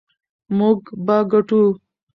موږ به ګټو.